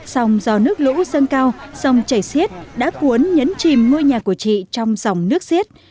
sông do nước lũ dâng cao sông chảy xiết đã cuốn nhấn chìm ngôi nhà của chị trong dòng nước xiết